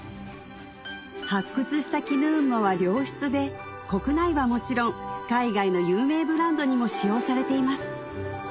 発掘した絹雲母は良質で国内はもちろん海外の有名ブランドにも使用されています